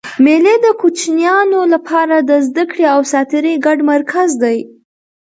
مېلې د کوچنيانو له پاره د زدهکړي او ساتېري ګډ مرکز دئ.